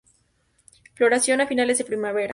Floración a finales de primavera.